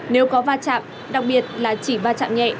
nếu có va chạm đặc biệt là chỉ va chạm nhẹ